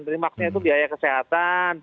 remaksnya itu biaya kesehatan